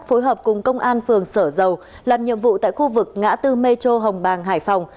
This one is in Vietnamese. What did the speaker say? phối hợp cùng công an phường sở dầu làm nhiệm vụ tại khu vực ngã tư metro hồng bàng hải phòng